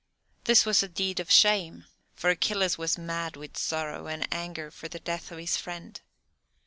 This was a deed of shame, for Achilles was mad with sorrow and anger for the death of his friend.